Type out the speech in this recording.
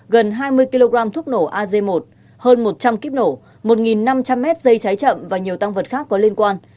gần hai mươi kg thuốc nổ az một hơn một trăm linh kíp nổ một năm trăm linh mét dây trái chậm và nhiều tăng vật khác có liên quan